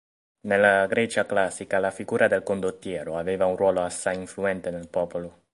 Nella Grecia classica la figura del condottiero aveva un ruolo assai influente nel popolo.